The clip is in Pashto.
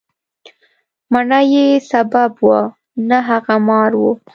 مڼه یې سبب وه، نه هغه مار و.